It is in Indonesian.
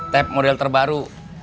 tab model terbaru